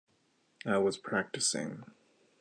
I was practising.